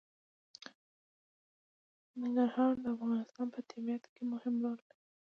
ننګرهار د افغانستان په طبیعت کې مهم رول لري.